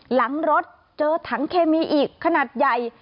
หลังรถเจอถังเคมีอีกขนาดใหญ่